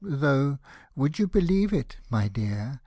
though, would you believe it, my dear